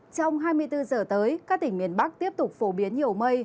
trong hai mươi bốn giờ tới các tỉnh miền bắc tiếp tục phổ biến nhiều mây